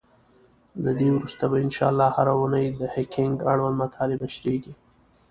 له دی وروسته به ان شاءالله هره اونۍ د هکینګ اړوند مطالب نشریږی.